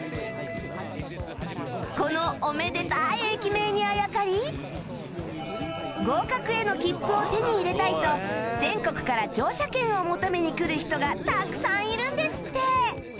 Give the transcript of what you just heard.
このおめでたい駅名にあやかり合格への切符を手に入れたいと全国から乗車券を求めに来る人がたくさんいるんですって